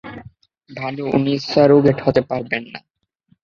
ভানু, উনি সারোগেট হতে পারবে না।